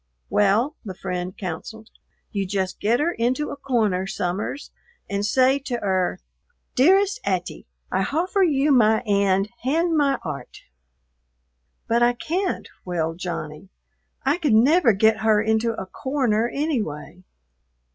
"Well," the friend counseled, "you just get her into a corner some'eres and say to 'er, 'Dearest 'Attie, I hoffer you my 'and hand my 'eart.'" "But I can't," wailed Johnny. "I could never get her into a corner anyway."